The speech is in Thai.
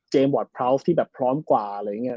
เจมส์วัตต์พราวส์ที่พร้อมกว่า